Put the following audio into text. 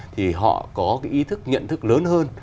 thì họ có cái ý thức nhận thức lớn hơn